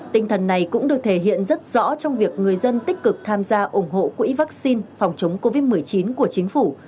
tinh thần này cũng được thể hiện rất rõ trong việc người dân tích cực tham gia ủng hộ quỹ vaccine phòng chống covid một mươi chín của chính phủ